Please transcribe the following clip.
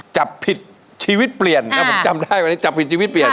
จับผิดชีวิตเปลี่ยนนะผมจำได้วันนี้จับผิดชีวิตเปลี่ยน